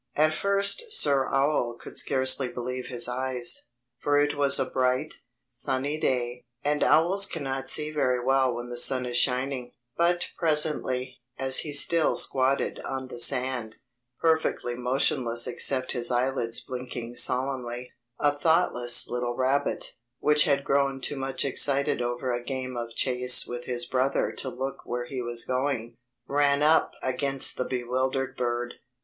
At first Sir Owl could scarcely believe his eyes, for it was a bright, sunny day, and owls cannot see very well when the sun is shining; but presently, as he still squatted on the sand, perfectly motionless except his eyelids blinking solemnly, a thoughtless little rabbit, which had grown too much excited over a game of chase with his brother to look where he was going, ran up against the bewildered bird.